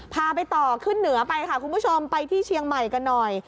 พาไปต่อขึ้นเหนือไปค่ะคุณผู้ชมไปที่เชียงใหม่กันหน่อย